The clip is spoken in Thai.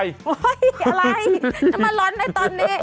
อะไรทำไมร้อนไปตอนนี้